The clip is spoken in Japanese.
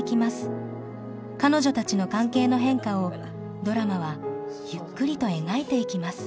彼女たちの関係の変化をドラマはゆっくりと描いていきます。